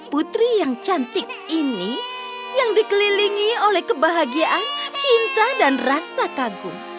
putri yang cantik ini yang dikelilingi oleh kebahagiaan cinta dan rasa kagum